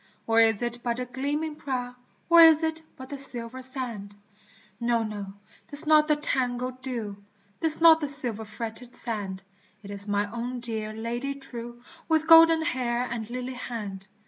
Or is it but the gleaming prow, Or is it but the silver sand ? No ! no ! 'tis not the tangled dew, 'Tis not the silver fretted sand, It is my own dear Lady true With golden hair and lily hand